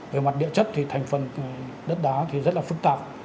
về mặt địa chất thì thành phần đất đá thì rất là phức tạp